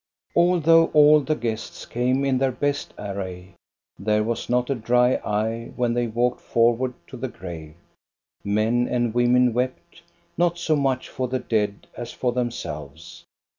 Although all the guests came in their best array, there was not a dry eye when they walked forward to the grave. Men and women wept, not so much for the dead, as for themselves.